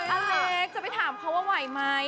อเล็กจะไปถามเขาว่าไหวไหม